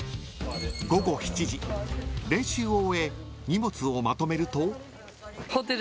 ［練習を終え荷物をまとめると］